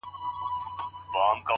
زړورتیا د وېرو د ماتولو لومړی قدم دی.!